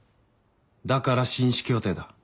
だから紳士協定だ。